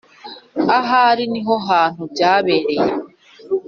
aha niho hantu byabereye